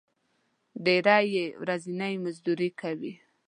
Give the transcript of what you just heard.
ډېری یې ورځنی مزدوري کوي.